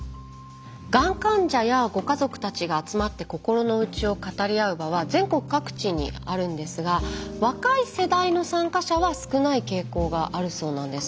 がん患者やご家族たちが集まって心の内を語り合う場は全国各地にあるんですが若い世代の参加者は少ない傾向があるそうなんです。